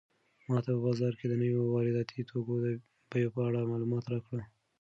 ماته په بازار کې د نويو وارداتي توکو د بیو په اړه معلومات راکړه.